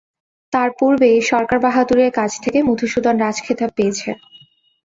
তার পূর্বেই সরকারবাহাদুরের কাছ থেকে মধুসূদন রাজখেতাব পেয়েছে।